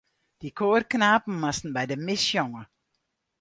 Dy koarknapen moasten by de mis sjonge.